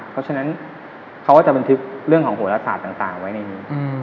เพราะฉะนั้นเขาก็จะบันทึกเรื่องของโหลศาสตร์ต่างไว้ในนี้